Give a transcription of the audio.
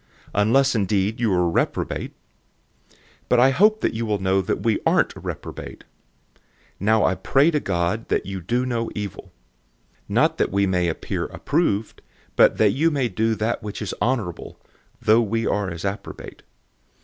unless indeed you are disqualified. 013:006 But I hope that you will know that we aren't disqualified. 013:007 Now I pray to God that you do no evil; not that we may appear approved, but that you may do that which is honorable, though we are as reprobate.